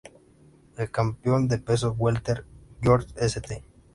El campeón de peso Welter George St.